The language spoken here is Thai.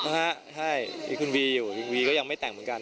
ฮะใช่มีคุณวีอยู่คุณวีก็ยังไม่แต่งเหมือนกัน